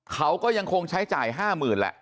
เขาก็ยังคงใช้จ่าย๕๐๐๐แหละ